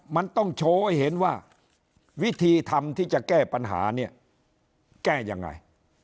มันต้องโชว์ให้เห็นว่าวิธีทำที่จะแก้ปัญหาเนี่ยแก้ยังไง